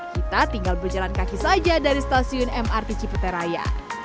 kita tinggal berjalan kaki saja dari stasiun mrt ciputeraya